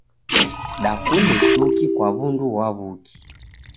Dakunde choki kwa w'undu ghwa w'uki.